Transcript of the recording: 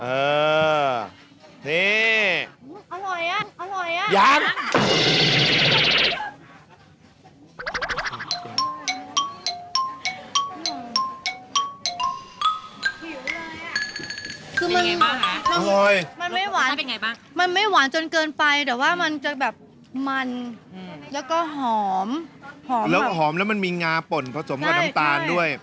หิวเลยอ่ะคือมันไม่หวานจนเกินไปแต่ว่ามันจะแบบมันแล้วก็หอมหอมแล้วมันมีงาป่นผสมกับน้ำตาลด้วย